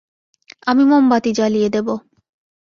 আমি মোমবাতি জ্বালিয়ে দেব।